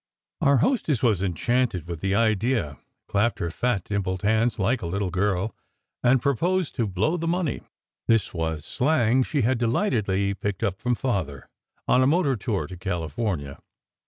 Our hostess was enchanted with the idea, clapped her fat, dimpled hands like a little girl, and 87 88 SECRET HISTORY proposed to "blow" the money (this was slang she had de lightedly picked up from Father) on a motor tour to Cali fornia.